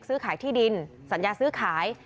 ซื้อขายที่ดินสัญญาซื้อขาย